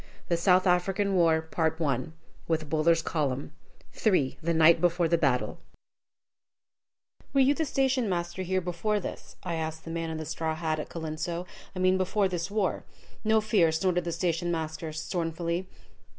THE SOUTH AFRICAN WAR I WITH BULLER'S COLUMN "Were you the station master here before this?" I asked the man in the straw hat, at Colenso. "I mean before this war?" "No fear!" snorted the station master, scornfully.